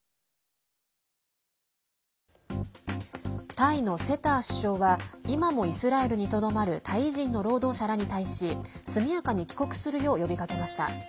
タイのセター首相は今もイスラエルにとどまるタイ人の労働者らに対し速やかに帰国するよう呼びかけました。